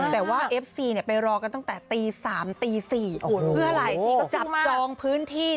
แต่ว่าเอฟซีเนี่ยไปรอกันตั้งแต่ตี๓ตี๔เพื่ออะไรสิก็จับจองพื้นที่